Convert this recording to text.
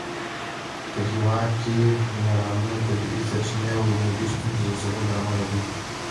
په هېواد کې منرالونه، طبیعي سرچینې او انرژي شتون د زلزلو له امله دی.